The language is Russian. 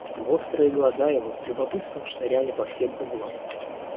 Вострые глаза его с любопытством шныряли по всем углам.